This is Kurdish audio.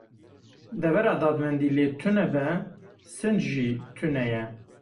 Devera dadmendî lê tune be, sinc jî tune ye.